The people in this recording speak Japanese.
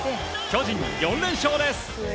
巨人４連勝です！